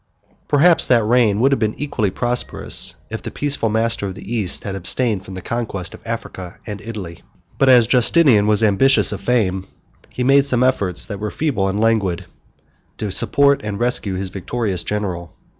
Perhaps that reign would have been equally prosperous if the peaceful master of the East had abstained from the conquest of Africa and Italy: but as Justinian was ambitious of fame, he made some efforts (they were feeble and languid) to support and rescue his victorious general.